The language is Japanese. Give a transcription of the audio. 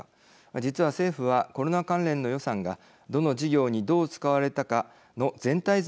実は政府はコロナ関連の予算がどの事業にどう使われたかの全体像について公表していません。